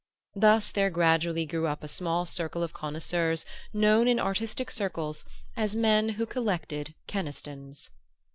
Thus there gradually grew up a small circle of connoisseurs known in artistic, circles as men who collected Kenistons.